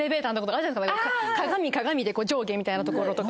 鏡鏡で上下みたいな所とか。